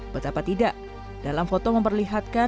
betapa tidak dalam foto memperlihatkan